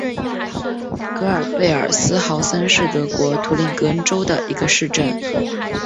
格尔贝尔斯豪森是德国图林根州的一个市镇。